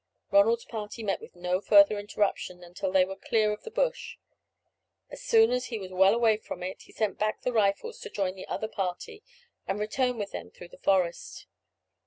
Ronald's party met with no further interruption until they were clear of the bush. As soon as he was well away from it, he sent back the Rifles to join the other party, and return with them through the forest.